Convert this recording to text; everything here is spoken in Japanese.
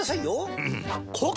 うん！